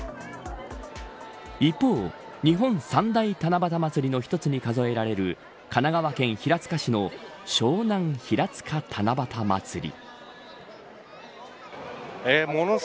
一方、日本三大七夕まつりの一つに数えられる神奈川県平塚市の湘南ひらつか七夕まつり。